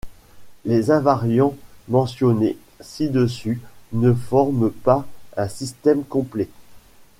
Les invariants mentionnés ci-dessus ne forment pas un système complet.